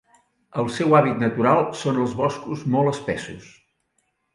El seu hàbitat natural són els boscos molt espessos.